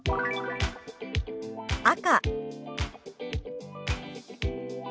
「赤」。